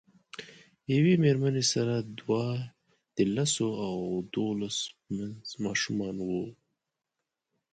یوې میرمنې سره دوه د لسو او دولسو په منځ ماشومان وو.